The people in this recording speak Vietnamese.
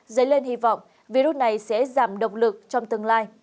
dấy lên hy vọng virus này sẽ giảm động lực trong tương lai